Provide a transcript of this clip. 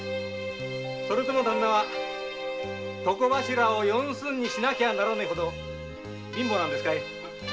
それとも旦那は床柱を四寸にしなきゃならねえほど貧乏なんですかい？